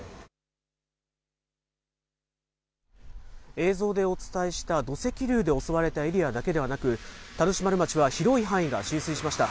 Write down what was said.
映像でお伝えした土石流で襲われたエリアだけでなく、田主丸町は広い範囲が浸水しました。